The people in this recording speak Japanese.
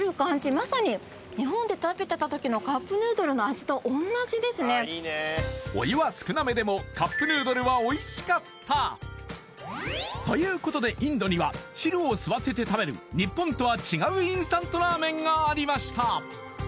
まさに日本で食べてた時のカップヌードルの味と同じですねお湯は少なめでもカップヌードルはおいしかったということでインドには汁を吸わせて食べる日本とは違うインスタントラーメンがありました